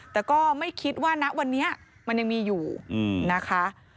แต่ก็ไม่คิดว่าณวันนี้มันยังมีอยู่นะคะ